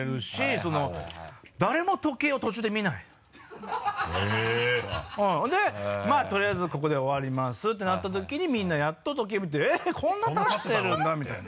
それでまぁとりあえずここで終わりますってなった時にみんなやっと時計を見て「えっ！こんなにたってるんだ」みたいな。